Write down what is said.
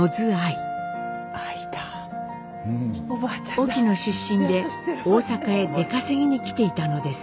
隠岐の出身で大阪へ出稼ぎに来ていたのです。